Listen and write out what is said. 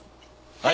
はい！